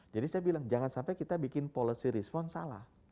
jadi saya bilang jangan sampai kita bikin policy response salah